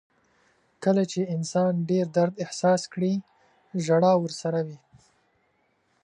• کله چې انسان ډېر درد احساس کړي، ژړا ورسره وي.